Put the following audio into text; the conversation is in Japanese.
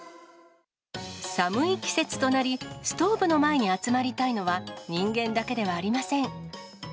寒い季節となり、ストーブの前に集まりたいのは人間だけではありません。